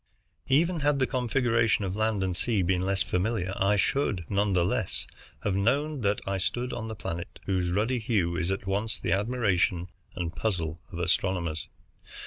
Even had the configuration of land and sea been less familiar, I should none the less have known that I stood on the planet whose ruddy hue is at once the admiration and puzzle of astronomers.